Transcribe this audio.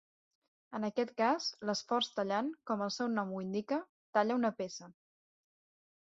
En aquest cas, l'esforç tallant, com el seu nom ho indica, talla una peça.